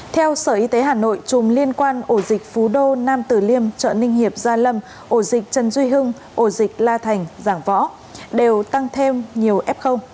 theo sở y tế hà nội chùm liên quan ổ dịch phú đô nam tử liêm chợ ninh hiệp gia lâm ổ dịch trần duy hưng ổ dịch la thành giảng võ đều tăng thêm nhiều f